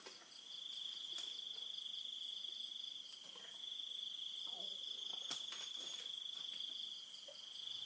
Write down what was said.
ติดต่อไปแล้ว